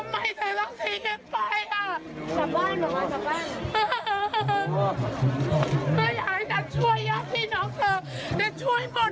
ทำไมเธอต้องทีกันไปอ่ะจับบ้านบอกมาจับบ้าน